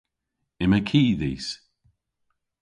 Yma ki dhis.